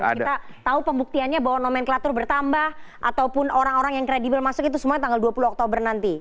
kita tahu pembuktiannya bahwa nomenklatur bertambah ataupun orang orang yang kredibel masuk itu semuanya tanggal dua puluh oktober nanti